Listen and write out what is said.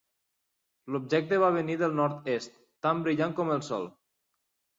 L'objecte va venir del nord-est, tan brillant com el sol.